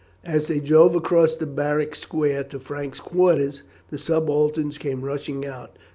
As they drove across the barrack square to Frank's quarters the subalterns came rushing out.